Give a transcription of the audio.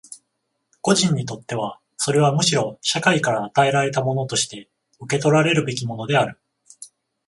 個人にとってはそれはむしろ社会から与えられたものとして受取らるべきものである。